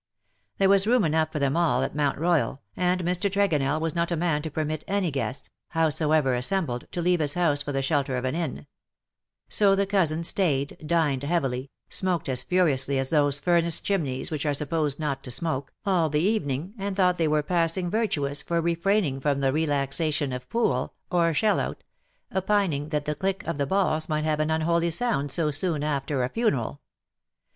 There was room enough for them all at Mount Eoyal^ and Mr. Tregonell was not a man to permit any guests,, howsoever assembled, to leave his house for the shelter of an inn ; so the cousins stayed, dined heavily, smoked as furiously as those furnace chimneys which are supposed not to smoke, all the evening, and thought they were passing virtuous for refraining from the relaxation of pool, or shell out — opining that the click of the balls might have an unholy sound so soon after a funeral.